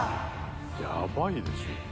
「やばいでしょ」